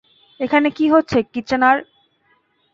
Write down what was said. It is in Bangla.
এখানে কী হচ্ছে, কিচ্যানার?